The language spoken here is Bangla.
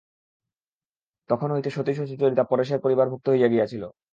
তখন হইতে সতীশ ও সুচরিতা পরেশের পরিবারভুক্ত হইয়া গিয়াছিল।